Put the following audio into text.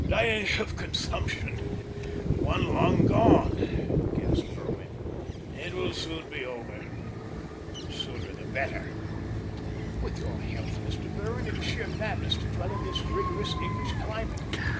"Dying of consumption one lung gone!" gasped Berwin. "It will soon be over the sooner the better." "With your health, Mr. Berwin, it is sheer madness to dwell in this rigorous English climate."